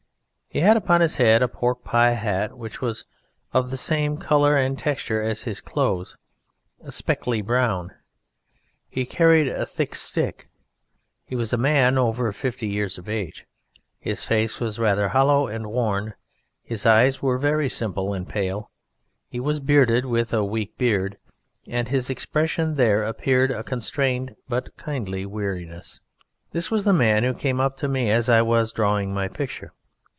He had upon his head a pork pie hat which was of the same colour and texture as his clothes, a speckly brown. He carried a thick stick. He was a man over fifty years of age; his face was rather hollow and worn; his eyes were very simple and pale; he was bearded with a weak beard, and in his expression there appeared a constrained but kindly weariness. This was the man who came up to me as I was drawing my picture.